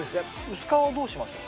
薄皮はどうしましょうか？